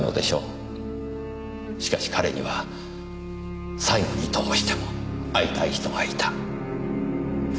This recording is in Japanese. しかし彼には最期にどうしても会いたい人がいた。